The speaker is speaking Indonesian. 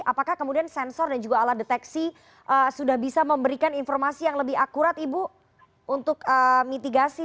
apakah kemudian sensor dan juga alat deteksi sudah bisa memberikan informasi yang lebih akurat ibu untuk mitigasi